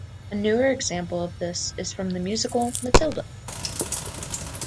A newer example of this is from the musical "Matilda".